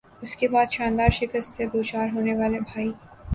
اس کے بعد "شاندار"شکست سے دوچار ہونے والے بھائی